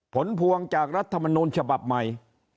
ผลพวงจากรัฐมนูลฉบับใหม่